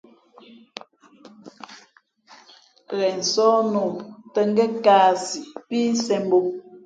Ghen sǒh nā ǒ tᾱ ngēn kāāsǐ pí nsēn bǒ.